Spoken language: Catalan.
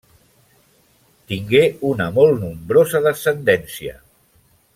Tingué una molt nombrosa descendència.